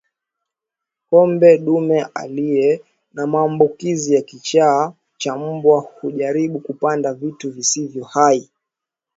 Ngombe dume aliye na maambukizi ya kichaa cha mbwa hujaribu kupanda vitu visivyo hai